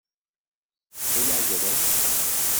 Què hi ha, jove?